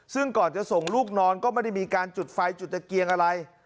ซึ่งก่อนจะส่งลูกนอนก็ไม่ได้มีการจุดไฟจุดตะเกียงอะไร